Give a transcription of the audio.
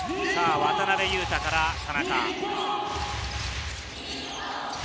渡邊雄太から田中。